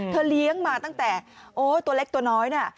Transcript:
เลี้ยงมาตั้งแต่โอ้ตัวเล็กตัวน้อยน่ะ